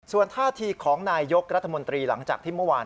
ส่วนท่าทีของนายยกรัฐมนตรีหลังจากที่เมื่อวาน